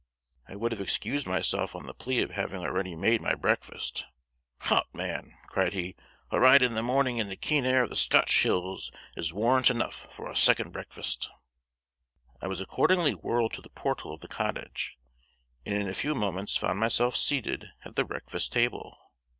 I would have excused myself, on the plea of having already made my breakfast. "Hout, man," cried he, "a ride in the morning in the keen air of the Scotch hills is warrant enough for a second breakfast." I was accordingly whirled to the portal of the cottage, and in a few moments found myself seated at the breakfast table.